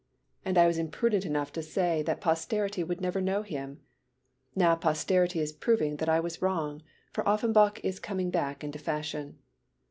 And I was imprudent enough to say that posterity would never know him. Now posterity is proving that I was wrong, for Offenbach is coming back into fashion.